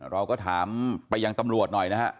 เราก็ถามไปยังตำรวจหน่อยนะฮะ